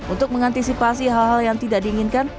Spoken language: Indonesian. untuk mengantisipasi hal hal yang tidak diinginkan